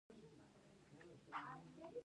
امانت کاره اوسئ